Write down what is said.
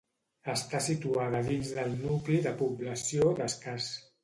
Està situada dins del nucli de població d'Escàs.